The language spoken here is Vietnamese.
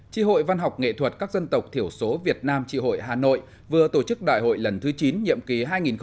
tri hội văn học nghệ thuật các dân tộc thiểu số việt nam trị hội hà nội vừa tổ chức đại hội lần thứ chín nhiệm ký hai nghìn một mươi chín hai nghìn hai mươi bốn